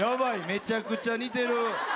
めちゃくちゃ似てる。